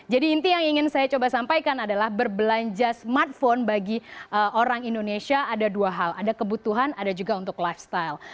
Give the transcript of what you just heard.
jadi inti yang ingin saya coba sampaikan adalah berbelanja smartphone bagi orang indonesia ada dua hal ada kebutuhan ada juga untuk lifestyle